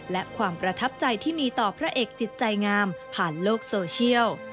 และความประทับใจที่มีต่อพระเอกจิตใจงามผ่านโลกโซเชียล